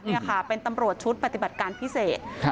นี่ค่ะเป็นตำรวจชุดปฏิบัติการพิเศษ